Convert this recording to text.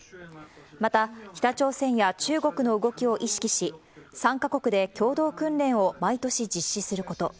また、北朝鮮や中国の動きを意識し、３か国で共同訓練を毎年実施すること。